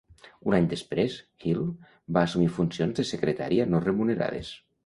Un any després, Hill va assumir funcions de secretaria no remunerades.